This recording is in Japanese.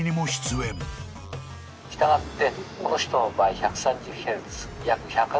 従って。